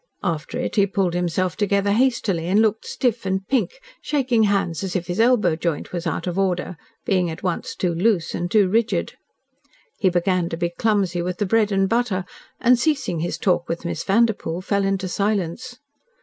After it he pulled himself together hastily, and looked stiff and pink, shaking hands as if his elbow joint was out of order, being at once too loose and too rigid. He began to be clumsy with the bread and butter, and, ceasing his talk with Miss Vanderpoel, fell into silence.